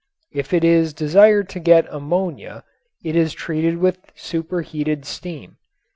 If it is desired to get ammonia, it is treated with superheated steam.